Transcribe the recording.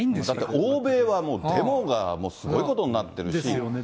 だって欧米はもう、デモがもうすごいことになってるんですよ。